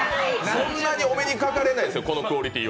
そんなにお目にかかれないですよ、このクオリティー。